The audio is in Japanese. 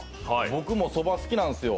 僕もそば好きなんですよ。